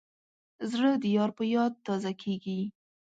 زړه د یار په یاد تازه کېږي.